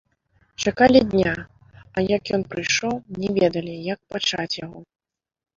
Чакалі дня, а як ён прыйшоў, не ведалі, як пачаць яго.